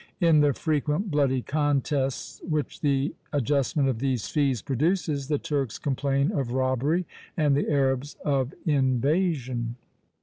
In the frequent bloody contests which the adjustment of these fees produces, the Turks complain of robbery, and the Arabs of invasion."